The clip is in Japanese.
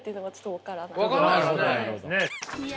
分かんないですね。